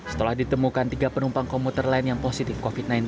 setelah ditemukan tiga penumpang komuter lain yang positif covid sembilan belas